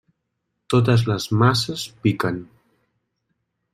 Totes les masses piquen.